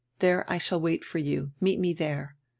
There I shall wait for you, meet me diere.